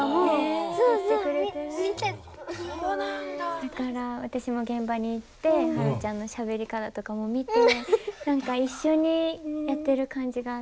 だから私も現場に行って芭路ちゃんのしゃべり方とかも見て何か一緒にやってる感じがあって。